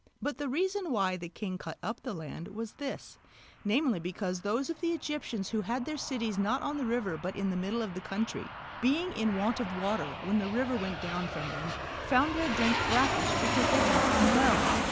But the reason why the king cut up the land was this, namely because those of the Egyptians who had their cities not on the river but in the middle of the country, being in want of water when the river went down from them, found their drink brackish because they had it from wells.